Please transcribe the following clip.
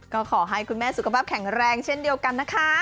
ก็ขอให้คุณแม่สุขภาพแข็งแรงเช่นเดียวกันนะคะ